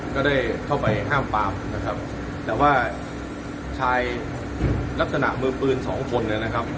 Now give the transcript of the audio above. ก็ได้เข้าไปห้ามปามนะครับแต่ว่าชายลักษณะมือปืนสองคนเนี่ยนะครับ